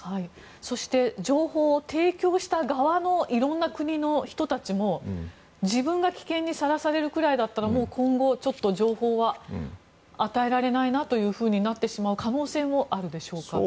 そして情報を提供した側のいろんな国の人たちも自分が危険にさらされるくらいだったら今後、ちょっと情報は与えられないなというふうになってしまう可能性もあるでしょうか。